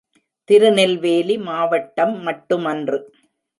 திருநெல்வேலி மாவட்டம் மட்டுமன்று.